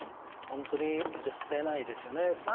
本当に許せないですよね。